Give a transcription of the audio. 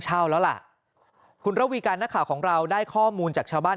เช่าแล้วล่ะคุณระวีการนักข่าวของเราได้ข้อมูลจากชาวบ้าน